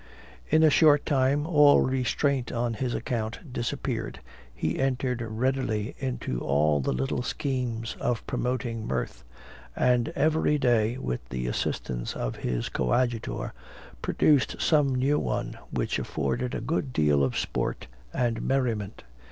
In a short time, all restraint on his account disappeared, he entered readily into all the little schemes for promoting mirth; and every day, with the assistance of his coadjutor, produced some new one, which afforded a good deal of sport and merriment.